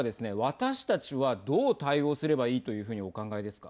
私たちはどう対応すればいいというふうにお考えですか。